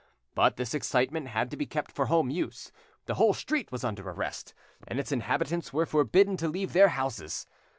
But this excitement had to be kept for home use: the whole street was under arrest, and its inhabitants were forbidden to leave their houses.